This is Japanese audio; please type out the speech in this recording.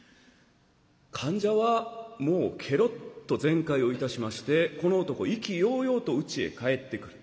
患者はもうけろっと全快をいたしましてこの男意気揚々とうちへ帰ってくる。